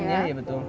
lemnya ya betul